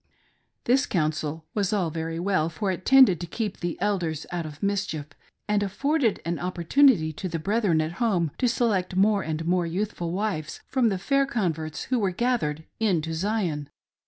This counsel was all very well, for it tended, to keep the Elders out of mischief, and afforded an opportunity to the brethren at home to select more, and more youthful wives from the fair converts who were gathered in to Zion.